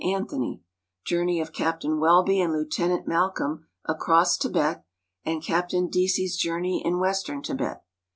Anthony; "Journey of Captain Wellby and Lieutenant Malcolm Across Tibet," and " ('aptain Deasy's Journey in Western Tibet."